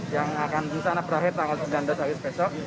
yang akan rencana berakhir tanggal sembilan belas agustus besok